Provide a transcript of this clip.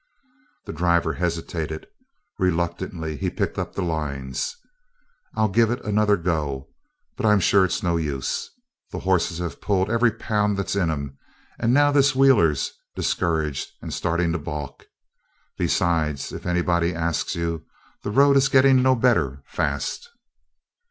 The driver hesitated. Reluctantly he picked up the lines: "I'll give it another go, but I'm sure it's no use. The horses have pulled every pound that's in 'em, and now this wheeler's discouraged and startin' to balk. Besides, if anybody asks you, the road is gettin' no better fast."